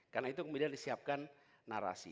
karena itu kemudian disiapkan narasi